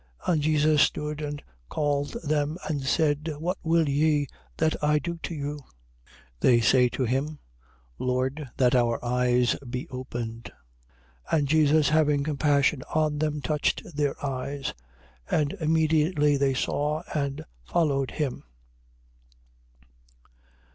20:32. And Jesus stood and called them and said: What will ye that I do to you? 20:33. They say to him: Lord, that our eyes be opened. 20:34. And Jesus having compassion on them, touched their eyes. And immediately they saw and followed him.